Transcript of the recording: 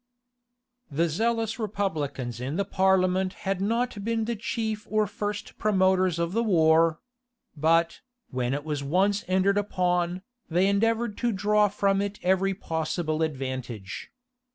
The zealous republicans in the parliament had not been the chief or first promoters of the war; but, when it was once entered upon, they endeavored to draw from it every possible advantage.